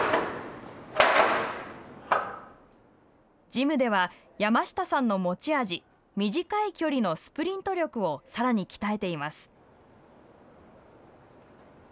ジムでは、山下さんの持ち味短い距離のスプリント力をさらに鍛えています。